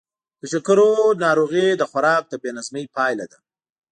د شکرو ناروغي د خوراک د بې نظمۍ پایله ده.